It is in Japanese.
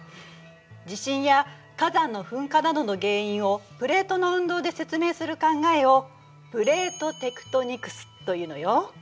地震や火山の噴火などの原因をプレートの運動で説明する考えを「プレートテクトニクス」というのよ。